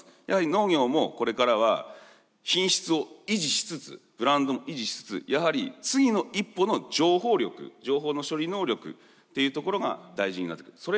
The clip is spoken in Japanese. やはり農業もこれからは品質を維持しつつブランドも維持しつつやはり次の一歩の情報力情報の処理能力っていうところが大事になってくる。